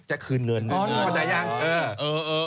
จะคืนเงินจัดการประจายงาน